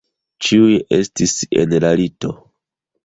Ĉiuj estis en la lito.